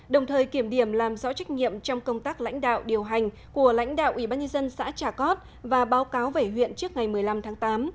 đồng thời kiểm điểm làm rõ trách nhiệm trong công tác lãnh đạo điều hành của lãnh đạo ubnd xã trà cót và báo cáo về huyện trước ngày một mươi năm tháng tám